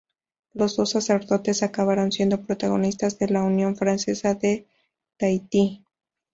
Los dos sacerdotes acabaron siendo protagonistas de la unión francesa de Tahití.